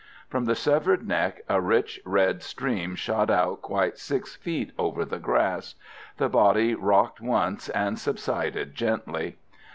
From the severed neck a rich red stream shot out quite 6 feet over the grass; the body rocked once and subsided gently.